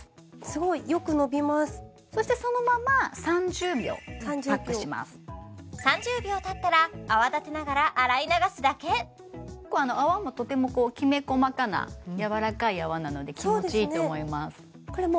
すごいよくのびますそしてそのまま３０秒パックします３０秒たったら泡立てながら洗い流すだけ結構泡もとてもきめ細かなやわらかい泡なので気持ちいいと思いますそうですね